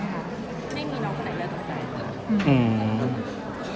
อย่างที่บอกค่ะมีน้องแค่คนเดียว